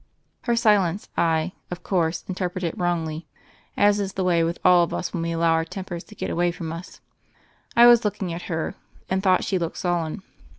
Her silence I, of course, interpreted wrongly, as is the way with all of us when we allow our tempers to get away from us. I was looking at her, and thought she looked sullen.